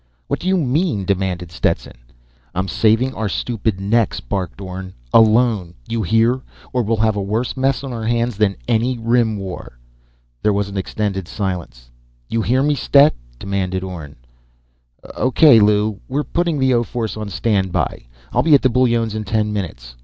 "What do you mean?" demanded Stetson. "I'm saving our stupid necks!" barked Orne. "Alone! You hear? Or we'll have a worse mess on our hands than any Rim War!" There was an extended silence. "You hear me, Stet?" demanded Orne. _"O.K., Lew. We're putting the O force on standby. I'll be at the Bullones' in ten minutes.